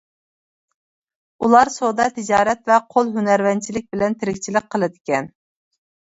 ئۇلار سودا-تىجارەت ۋە قول ھۈنەرۋەنچىلىك بىلەن تىرىكچىلىك قىلدىكەن.